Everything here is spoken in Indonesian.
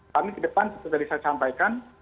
kami ke depan seperti tadi saya sampaikan